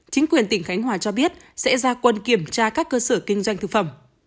chính quyền tỉnh khánh hòa cho biết sẽ ra quân kiểm tra các cơ sở kinh doanh thực phẩm